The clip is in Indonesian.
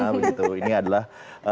nah ini adalah